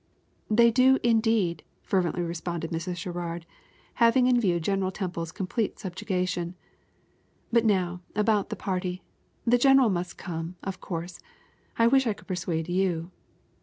"They do, indeed," fervently responded Mrs. Sherrard, having in view General Temple's complete subjugation. "But now about the party. The general must come, of course. I wish I could persuade you."